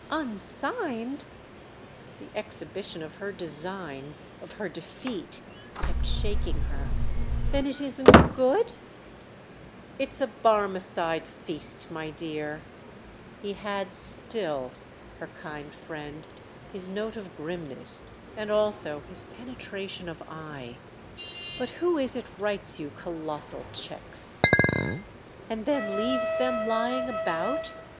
"Unsigned?"—the exhibition of her design, of her defeat, kept shaking her. "Then it isn't good—?" "It's a Barmecide feast, my dear!"—he had still, her kind friend, his note of grimness and also his penetration of eye. "But who is it writes you colossal cheques?" "And then leaves them lying about?"